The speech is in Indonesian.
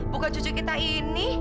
bukan cucu kita ini